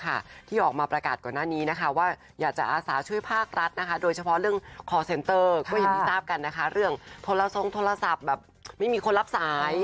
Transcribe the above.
ที่ออกมาประกาศก่อนหน้านี้นะคะว่าอยากจะอาสาช่วยภาครัฐนะคะโดยเฉพาะเรื่องคอร์เซ็นเตอร์ก็อย่างที่ทราบกันนะคะเรื่องโทรทรงโทรศัพท์แบบไม่มีคนรับสาย